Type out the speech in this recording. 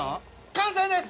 完成です！